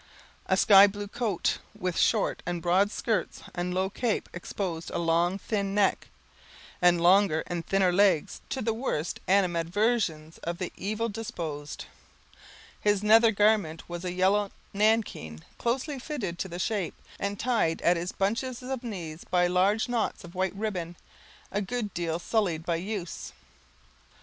A sky blue coat, with short and broad skirts and low cape, exposed a long, thin neck, and longer and thinner legs, to the worst animadversions of the evil disposed. His nether garment was a yellow nankeen, closely fitted to the shape, and tied at his bunches of knees by large knots of white ribbon, a good deal sullied by use.